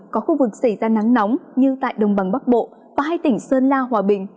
có khu vực xảy ra nắng nóng như tại đồng bằng bắc bộ và hai tỉnh sơn la hòa bình